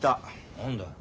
何だよ。